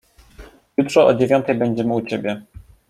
"Jutro o dziewiątej będziemy u ciebie."